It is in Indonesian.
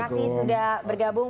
terima kasih sudah bergabung